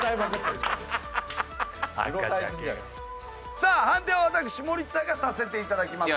さあ判定は私森田がさせていただきます。